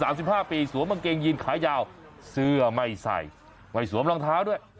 สามสิบห้าปีสวมกางเกงยีนขายาวเสื้อไม่ใส่ไม่สวมรองเท้าด้วย